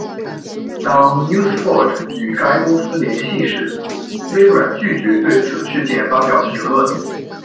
当 NewsForge 与该公司联系时，微软拒绝对此事件发表评论。